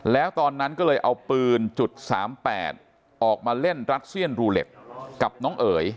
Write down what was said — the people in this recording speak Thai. แล้วตอนนั้นก็เลยเอาปืน๓๘ออกมาเล่นรัสเซียนรูเล็ตกับน้องเอ๋ย